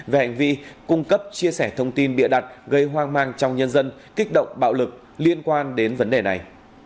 về hành vi cung cấp chia sẻ thông tin bịa đặt gây hoang mang trong nhân dân kích động bạo lực liên quan đến vấn đề này